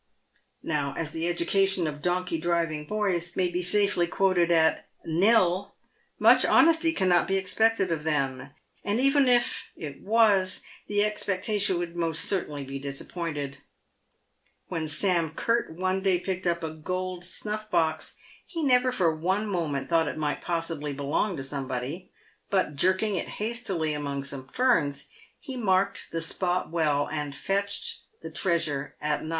Now, as the education of donkey driving boys may be safely quoted at nil, much honesty cannot be expected of them, and even if it was, the expectation would most certainly be disappointed. "When Sam Curt one day picked up a gold snuff box, he never for one moment thought it might possibly belong to somebody, but jerking it hastily among some ferns, he marked the spot well, and fetched the treasure at night.